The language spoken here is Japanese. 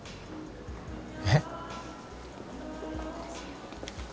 えっ？